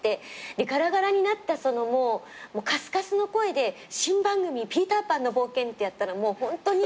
でガラガラになったそのカスカスの声で新番組『ピーターパンの冒険』ってやったらもうホントに。